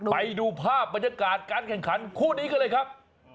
ไปดูภาพบรรยากาศการแข่งขันคู่นี้กันเลยครับ